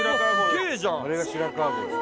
あれが白川郷です。